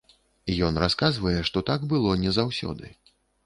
Ён расказвае, што так было не заўсёды.